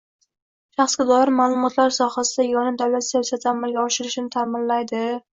shaxsga doir ma’lumotlar sohasida yagona davlat siyosati amalga oshirilishini ta’minlaydi;